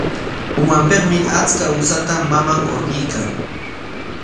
Umanpikmi achka usata maman hurquykan.